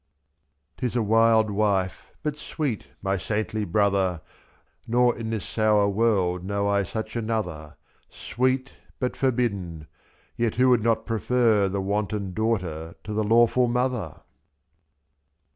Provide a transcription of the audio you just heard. *Tis a wild wife, but sweet, my saintly brother. Nor in this sour world know I such another ; J J/. Sweet but forbidden — ^yet who would not prefer The wanton daughter to the lawful mother?